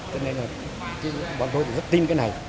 cho nên là bọn tôi thì rất tin cái này